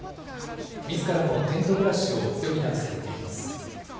みずからもテント暮らしを余儀なくされています。